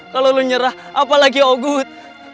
kalau lo nyerah apalagi ogut